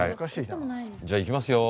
じゃあ行きますよ。